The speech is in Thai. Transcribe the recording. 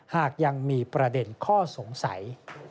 หากยังมีประเด็นข้อสงสัย